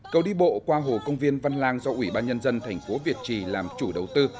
cầu đi bộ qua hồ công viên văn lang do ủy ban nhân dân thành phố việt trì làm chủ đầu tư